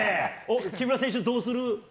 木村選手どうする？